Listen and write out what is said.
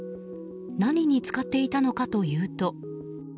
何に使っていたのかというと。